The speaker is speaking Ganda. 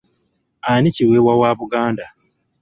Ani kiweewa wa Buganda?